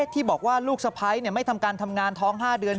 ที่บอกว่าลูกสะพ้ายไม่ทำการทำงานท้อง๕เดือน